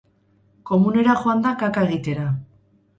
Komunera joan da kaka egitera.